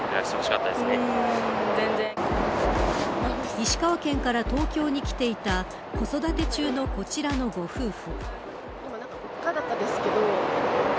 石川県から東京に来ていた子育て中のこちらのご夫婦。